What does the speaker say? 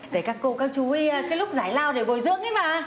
để các cô các chú cái lúc giải lao để bồi dưỡng ý bà